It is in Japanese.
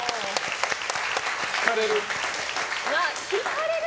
引かれる？